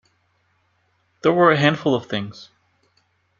There were a handful of things.